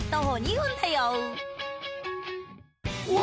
うわ